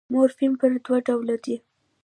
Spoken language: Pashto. مورفیم پر دوه ډوله دئ.